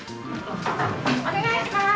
お願いします。